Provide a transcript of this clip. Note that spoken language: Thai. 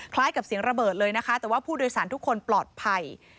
กับเสียงระเบิดเลยนะคะแต่ว่าผู้โดยสารทุกคนปลอดภัย